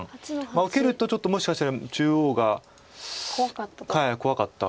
受けるとちょっともしかしたら中央が。怖かったと。